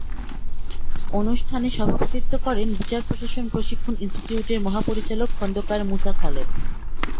অনুষ্ঠানে সভাপতিত্ব করেন বিচার প্রশাসন প্রশিক্ষণ ইনস্টিটিউটের মহাপরিচালক খোন্দকার মূসা খালেদ।